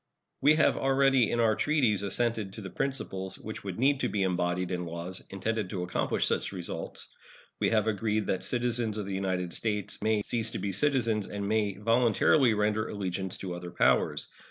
We have already in our treaties assented to the principles which would need to be embodied in laws intended to accomplish such results. We have agreed that citizens of the United States may cease to be citizens and may voluntarily render allegiance to other powers.